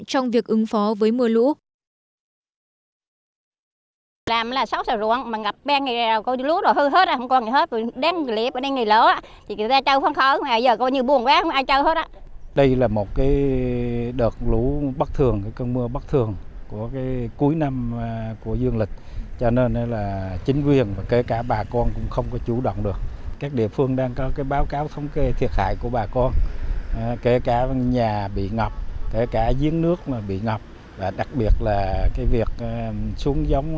trong việc ứng phó với mưa lũ